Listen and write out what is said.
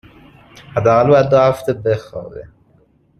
حداقل باید دو هفته بخوابه